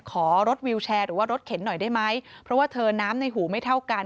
ขอรถวิวแชร์หรือว่ารถเข็นหน่อยได้ไหมเพราะว่าเธอน้ำในหูไม่เท่ากัน